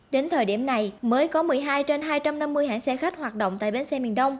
đến thời điểm này mới có một mươi hai trên hai trăm năm mươi hãng xe khách hoạt động tại bến xe miền đông